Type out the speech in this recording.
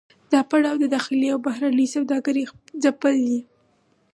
دا پړاو د داخلي او بهرنۍ سوداګرۍ ځپل دي